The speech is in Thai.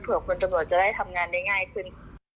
คนตำรวจจะได้ทำงานได้ง่ายขึ้น